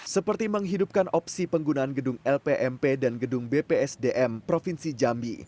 seperti menghidupkan opsi penggunaan gedung lpmp dan gedung bpsdm provinsi jambi